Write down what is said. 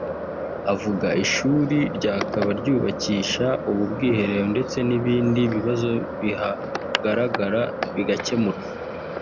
Avuga ishuri ryakaba ryubakisha ubu bwiherero ndetse n’ibindi bibazo bihagaragara bigakemurwa